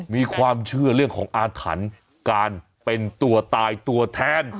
มีความเชื่อเรื่องของอาถรรพ์การเป็นตัวตายตัวแทน